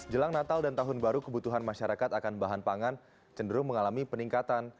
jelang natal dan tahun baru kebutuhan masyarakat akan bahan pangan cenderung mengalami peningkatan